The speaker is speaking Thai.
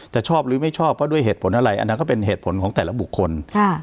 จะชอบหรือไม่ชอบเพราะด้วยเหตุผลอะไรอันนั้นก็เป็นเหตุผลของแต่ละบุคคล